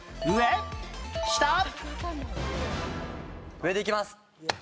上でいきます！